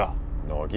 乃木？